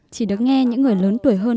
chỉ được nghe những người lớn tuổi hơn